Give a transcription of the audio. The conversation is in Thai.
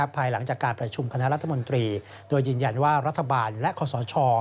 ภายหลังจากการประชุมคณะรัฐมนตรีโดยยืนยันว่ารัฐบาลและคอสช